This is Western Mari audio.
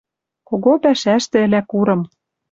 Кого пӓшӓштӹ ӹлӓ курым.